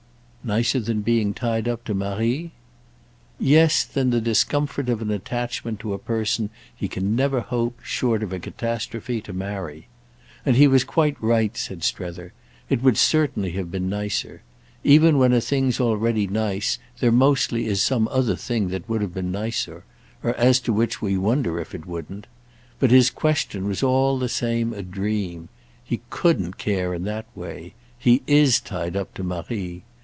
"Nicer than being tied up to Marie?" "Yes—than the discomfort of an attachment to a person he can never hope, short of a catastrophe, to marry. And he was quite right," said Strether. "It would certainly have been nicer. Even when a thing's already nice there mostly is some other thing that would have been nicer—or as to which we wonder if it wouldn't. But his question was all the same a dream. He couldn't care in that way. He is tied up to Marie.